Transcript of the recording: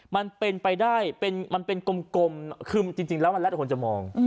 มันเป็นไปได้มันเป็นกลมคือจริงแล้วมันแล้วแต่คนจะมอง